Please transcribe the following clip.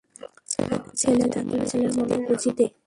ছেলে থাকিলে ছেলের মর্ম বুঝিতে।